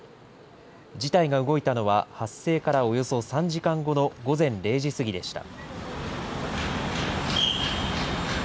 事態が動いたのは発生からおよそ３時間後の午前０時過ぎでした。